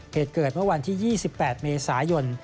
เหตุเกิดเมื่อวันที่๒๘เมษายน